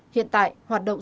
hiện tại hoạt động